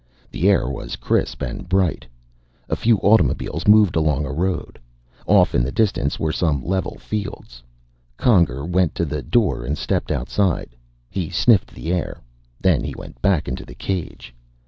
The air was crisp and bright. A few automobiles moved along a road. Off in the distance were some level fields. Conger went to the door and stepped outside. He sniffed the air. Then he went back into the cage.